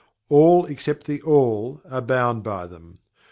All, except THE ALL, are bound by them.